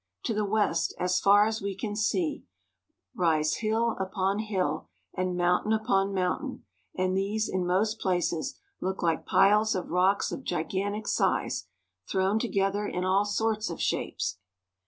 To the west, as far as we can see, rise hill upon hill and mountain upon mountain, and these in most places look like piles of rocks of gigantic size, thrown together in all sorts of shapes.